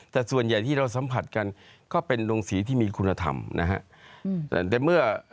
แต่ส่วนใหญ่ที่เราสัมผัสกันก็เป็นโรงสีที่มีคุณธรรมนะฮะ